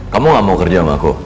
kamu gak mau kerja sama aku